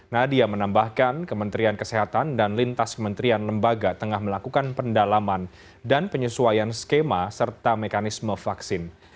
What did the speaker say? nadia menambahkan kementerian kesehatan dan lintas kementerian lembaga tengah melakukan pendalaman dan penyesuaian skema serta mekanisme vaksin